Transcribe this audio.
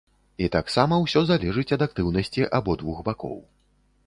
І таксама ўсё залежыць ад актыўнасці абодвух бакоў.